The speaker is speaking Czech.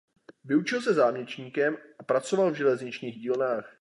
Vyučil se zámečníkem a pracoval v železničních dílnách.